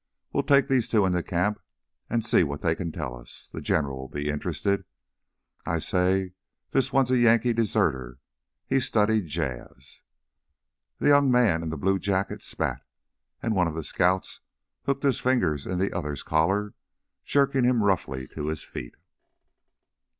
We'll take these two into camp and see what they can tell us. The General will be interested. I'd say this one's a Yankee deserter." He studied Jas'. The young man in the blue jacket spat, and one of the scouts hooked his fingers in the other's collar, jerking him roughly to his feet.